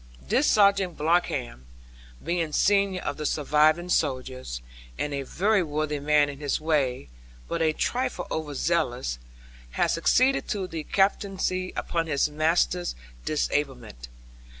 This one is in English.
This Sergeant Bloxham, being senior of the surviving soldiers, and a very worthy man in his way, but a trifle over zealous, had succeeded to the captaincy upon his master's disablement.